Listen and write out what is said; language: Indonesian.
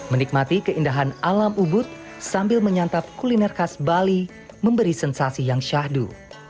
menikmati keindahan alam ubud sambil menyantap kuliner khas bali memberi sensasi yang syahdu